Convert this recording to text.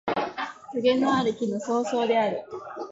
とげのある木の総称である